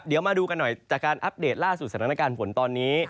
เดี๋ยวมาดูกันหน่อยจากการอัปเดตล่าสุดสถานการณ์ฝนตอนนี้